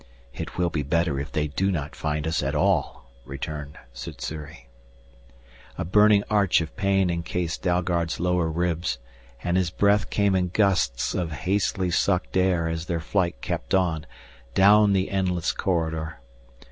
"It will be better if they do not find us at all," returned Sssuri. A burning arch of pain encased Dalgard's lower ribs, and his breath came in gusts of hastily sucked air as their flight kept on, down the endless corridor.